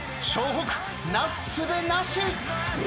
北なすすべなし。